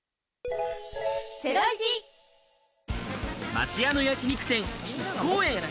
町屋の焼き肉店、一幸園。